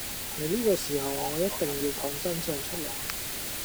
喺呢個時候我一定要講真相出來